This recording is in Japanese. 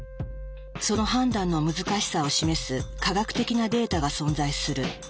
その判断の難しさを示す科学的なデータが存在する。